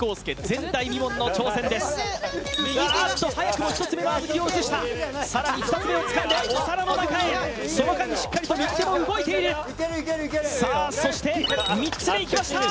前代未聞の挑戦ですああっと早くも１つ目の小豆を移したさらに２つ目を掴んでお皿の中へその間にしっかりと右手も動いているさあそして３つ目いきました！